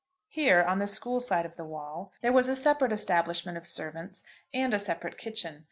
Here, on the school side of the wall, there was a separate establishment of servants, and a separate kitchen.